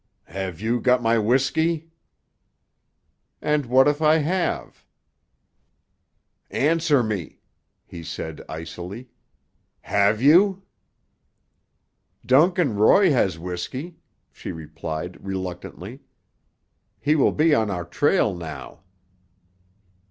"Have you got my whisky?" "And what if I have?" "Answer me!" he said icily. "Have you?" "Duncan Roy has whisky," she replied reluctantly. "He will be on our trail now."